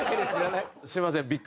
すいません